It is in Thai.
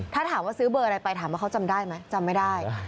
ถ้าถามว่าซื้อเบอร์อะไรไปถามว่าเขาจำได้ไหมจำไม่ได้